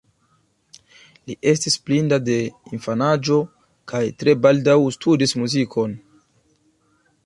Li estis blinda de infanaĝo, kaj tre baldaŭ studis muzikon.